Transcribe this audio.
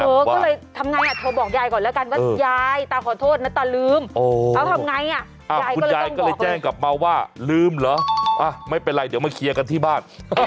เอาทำไงคุณยายก็เลยแจ้งกับเมาว่าลืมเหรอไม่เป็นไรเดี๋ยวมาเคียร์กันที่บ้าน